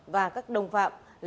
và các đồng phạm